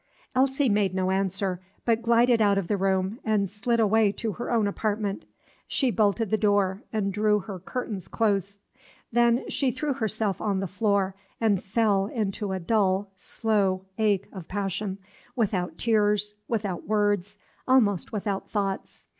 Elsie made no answer, but glided out of the room and slid away to her own apartment. She bolted the door and drew her curtains close. Then she threw herself on the floor, and fell into a dull, slow ache of passion, without tears, without words, almost without thoughts.